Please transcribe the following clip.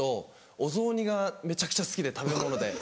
お雑煮がめちゃくちゃ好きで食べ物で。